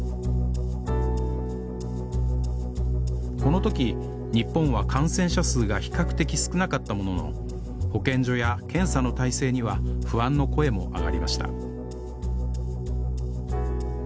この時日本は感染者数が比較的少なかったものの保健所や検査の体制には不安の声も上がりました